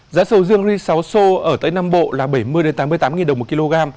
giá sổ riêng ri sáu xô ở tây nam bộ là bảy mươi tám mươi tám đồng một kg